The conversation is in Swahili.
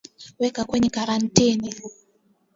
Weka kwenye karantini